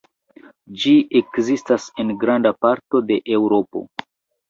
Ĝi ekzistas en granda parto de Eŭropo.